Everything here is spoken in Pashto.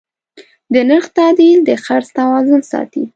د نرخ تعدیل د خرڅ توازن ساتي.